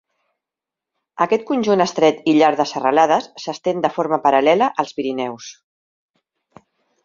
Aquest conjunt estret i llarg de serralades s'estén de forma paral·lela als Pirineus.